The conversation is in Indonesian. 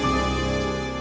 kau akan mencari riri